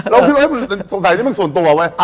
เราคิดว่ามันสงสัยนี่มันส่วนตัวเว้ย